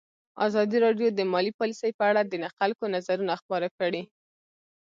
ازادي راډیو د مالي پالیسي په اړه د خلکو نظرونه خپاره کړي.